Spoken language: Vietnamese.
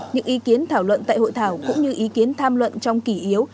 những ý kiến thảo luận tại hội thảo cũng như ý kiến tham luận trong kỷ yếu